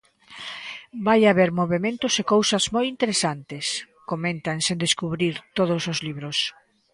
"Vai haber movementos e cousas moi interesantes", comentan sen descubrir todos os libros.